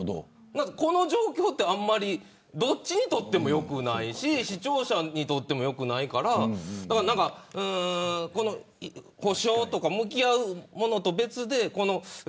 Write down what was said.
この状況って、あんまりどっちにとっても良くないし視聴者にとっても良くないから補償とか向き合うものと別で。